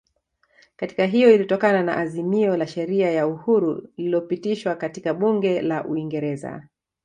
Katiba hiyo ilitokana na azimio la sheria ya uhuru lililopitishwa katika bunge la uingereza